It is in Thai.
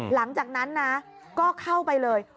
หลังจากนั้นนะก็เข้าไปเลย